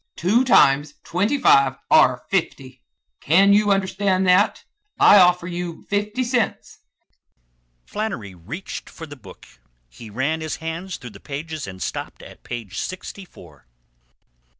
Two times twenty five are fifty! Can you understand that? I offer you fifty cents." Flannery reached for the book. He ran his hand through the pages and stopped at page sixty four.